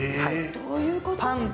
どういうこと？